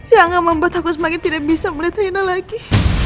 yang membuat aku semakin tidak bisa melihat henda lagi